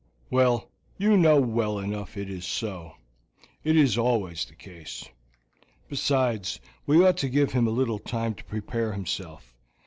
"Well, you know well enough it is so, it is always the case; besides, we ought to give him a little time to prepare himself.